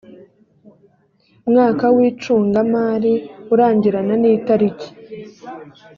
mwaka w icungamari urangirana n itariki